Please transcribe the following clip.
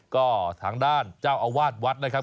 ก็ทางด้านเจ้าอาวาสวัดนะครับ